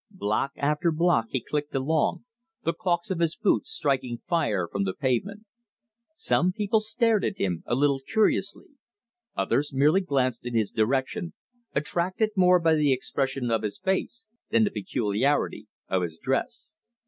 Block after block he clicked along, the caulks of his boots striking fire from the pavement. Some people stared at him a little curiously. Others merely glanced in his direction, attracted more by the expression of his face than the peculiarity of his dress.